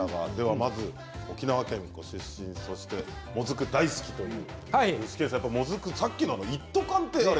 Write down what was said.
まず沖縄県出身そしてもずく大好きという具志堅さん、さっきの一斗缶。